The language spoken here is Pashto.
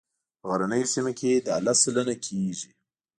په غرنیو سیمو کې دا لس سلنه کیږي